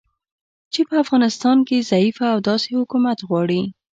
چې په افغانستان کې ضعیفه او داسې حکومت غواړي